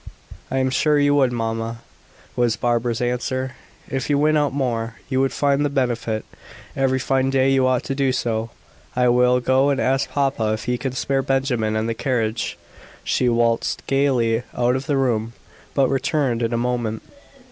"I am sure you would, mamma," was Barbara's answer. "If you went out more, you would find the benefit. Every fine day you ought to do so. I will go and ask papa if he can spare Benjamin and the carriage." She waltzed gaily out of the room, but returned in a moment.